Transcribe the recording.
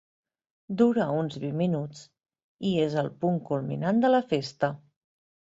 Dura uns vint minuts, i és el punt culminant de la festa.